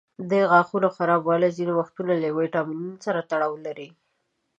د غاښونو خرابوالی ځینې وختونه له ویټامینونو سره تړاو لري.